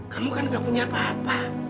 kamu kan gak punya apa apa